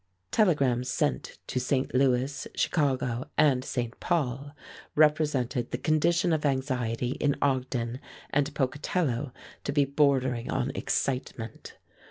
Telegrams sent to St. Louis, Chicago, and St. Paul represented the condition of anxiety in Ogden and Pocatello to be bordering on excitement.